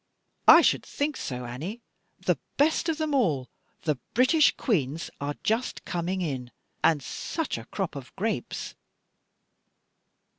"I should think so, Annie. The best of them all, the British Queens, are just coming in. And such a crop of grapes!"